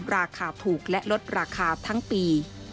ราคาถูกและลดราคาทั้งปี